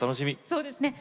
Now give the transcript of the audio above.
そうですね。